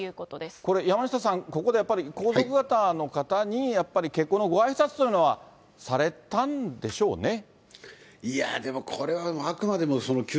これ、山下さん、ここでやっぱり、皇族方の方にやっぱり結婚のごあいさつというのはされたんでしょいやー